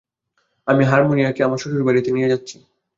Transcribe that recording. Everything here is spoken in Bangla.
আমি হারমায়োনিকে আমার শ্বশুর বাড়িতে নিয়ে যাচ্ছি।